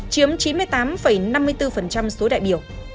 chiếm chín mươi tám năm mươi bốn số đại biểu